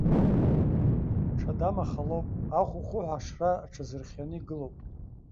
Ҽадам, аха лоуп, аху-хуҳәа ашра аҽазырхианы игылоуп.